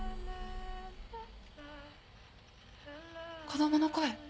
子供の声。